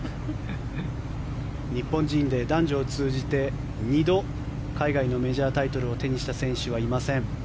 日本人で男女を通じて２度、海外のメジャータイトルを手にした選手はいません。